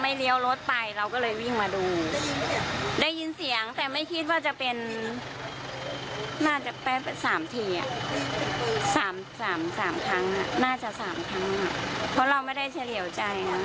เพราะเราไม่ได้เฉลี่ยวใจ